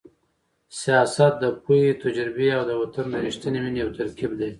سیاست د پوهې، تجربې او د وطن د رښتینې مینې یو ترکیب دی.